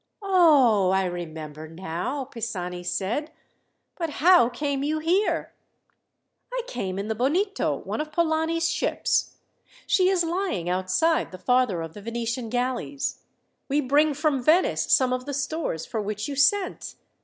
"Oh, I remember now!" Pisani said. "But how came you here?" "I came in the Bonito, one of Polani's ships. She is lying outside the farther of the Venetian galleys. We bring from Venice some of the stores for which you sent.